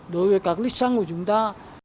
đối với các lịch sáng của chúng ta